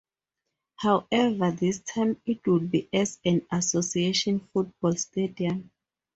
However, this time it would be as an association football stadium.